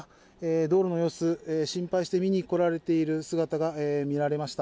道路の様子心配して見に来ている姿がよく見られました。